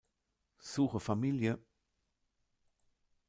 Suche Familie!